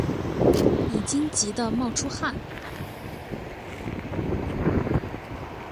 已经急的冒出汗